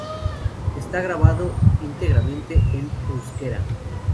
Está grabado íntegramente en euskera.